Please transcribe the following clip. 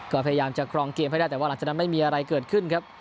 ก็พยายามจะครองเกมให้ได้แต่ว่าหลังจากนั้นไม่มีอะไรเกิดขึ้นครับ